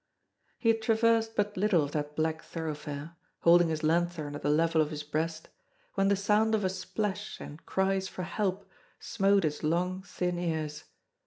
He had traversed but little of that black thoroughfare, holding his lanthorn at the level of his breast, when the sound of a splash and cries for help smote his long, thin ears.